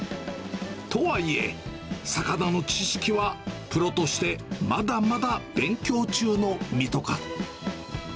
とはいえ、魚の知識はプロとしてまだまだ勉強中の身とか。